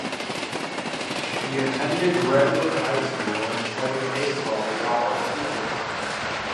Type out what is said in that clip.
He attended Redwood High School and played baseball while a student.